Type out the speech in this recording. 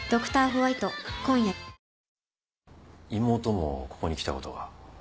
妹もここに来たことが？